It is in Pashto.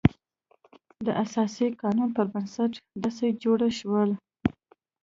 د اساسي قانون پر بنسټ داسې جوړ شول.